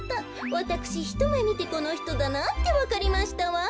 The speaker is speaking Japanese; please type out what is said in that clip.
わたくしひとめみてこのひとだなってわかりましたわん。